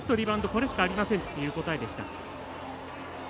これしかありませんという答えでした。